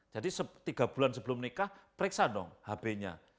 jadi tiga bulan sebelum nikah periksa dong hb nya